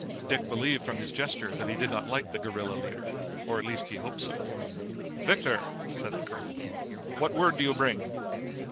Dick believed from his gesture that he did not like the guerilla leader, or at least he hoped so. "Victor," said the colonel, "what word do you bring?"